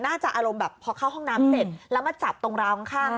น่าจะอารมณ์แบบพอเข้าห้องน้ำเสร็จแล้วมาจับตรงราวข้างข้างน่ะ